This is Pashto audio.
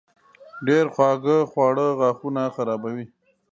ډېر خواږه خواړه غاښونه خرابوي.